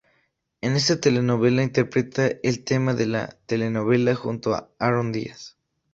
En esta telenovela interpreta el tema de la telenovela junto a Aarón Díaz.